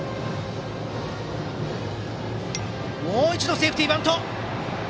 もう一度セーフティーバント！